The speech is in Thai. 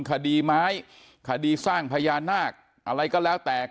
คดีไม้คดีสร้างพญานาคอะไรก็แล้วแต่